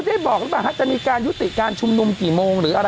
ทางกลุ่มมวลชนทะลุฟ้าทางกลุ่มมวลชนทะลุฟ้า